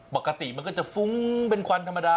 ปกติมันก็จะฟุ้งเป็นควันธรรมดา